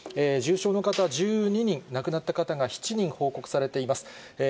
重症の方１２人、亡くなった方が１人報告されています。